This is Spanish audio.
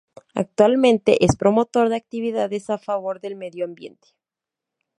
Actualmente, es promotor de actividades a favor del medio ambiente.